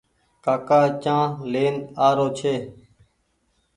ڪآڪآ چآنه لين آرو ڇي۔